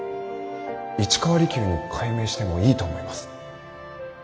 市川利休に改名してもいいと思います。